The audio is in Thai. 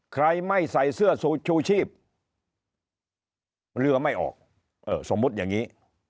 ใครไม่ใส่เสื้อชูชีพเรือไม่ออกเออสมมุติอย่างนี้